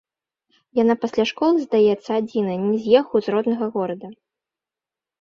Яна пасля школы, здаецца, адзіная, не з'ехаў з роднага горада.